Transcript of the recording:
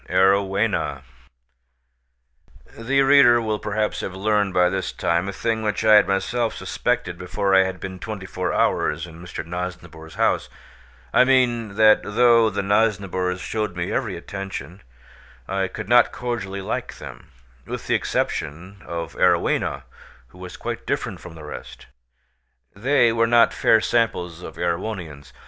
AROWHENA The reader will perhaps have learned by this time a thing which I had myself suspected before I had been twenty four hours in Mr. Nosnibor's house—I mean, that though the Nosnibors showed me every attention, I could not cordially like them, with the exception of Arowhena who was quite different from the rest. They were not fair samples of Erewhonians.